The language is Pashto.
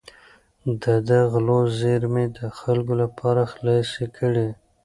ده د غلو زېرمې د خلکو لپاره خلاصې کړې.